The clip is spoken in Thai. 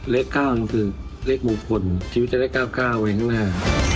เลข๙คือเลขมงคลชีวิตจะได้๙๙ไว้ข้างหน้า